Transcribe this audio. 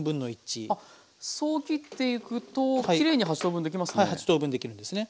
あそう切っていくときれいに８等分できますね。